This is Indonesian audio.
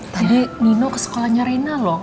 tadi nino ke sekolahnya rina loh